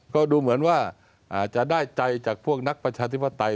ก็ดูเหมือนว่าจะได้ใจจากพวกนักประชาธิปไตย